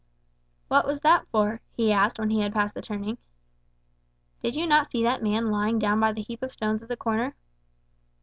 "What was that for?" he asked when he had passed the turning. "Did you not see that man lying down by the heap of stones at the corner?"